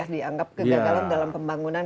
dianggap kegagalan dalam pembangunan